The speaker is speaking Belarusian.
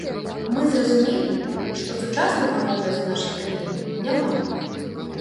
Мы зразумелі, што сучаснага вобразу нашай краіны няма.